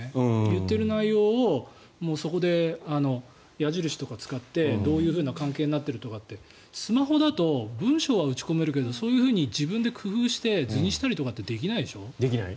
言っている内容をそこで矢印とか使ってどういうふうな関係になっているとかってスマホだと文書は打ち込めるけどそういうふうに自分で工夫して図にしたりとかできないでしょ？